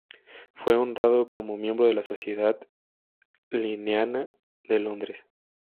Fue honrado como miembro de la Sociedad linneana de Londres.